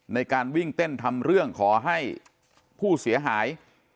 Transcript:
ในการวิ่งเต้นทำเรื่องขอให้ผู้เสียหาย